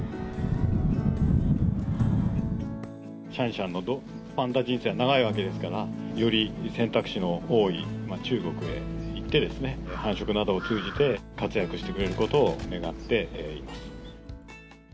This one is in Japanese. シャンシャンのパンダ人生は長いわけですから、より選択肢の多い中国へ行ってですね、繁殖などを通じて、活躍してくれることを願っています。